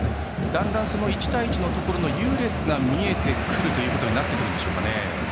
だんだん１対１のところの優劣が見えてくるということになってくるでしょうか。